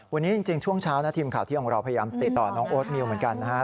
วันนี้จริงช่วงเช้านะทีมข่าวเที่ยงของเราพยายามติดต่อน้องโอ๊ตมิวเหมือนกันนะครับ